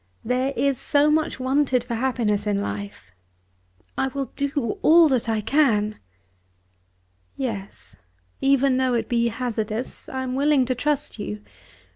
There is so much wanted for happiness in life." "I will do all that I can." "Yes. Even though it be hazardous, I am willing to trust you.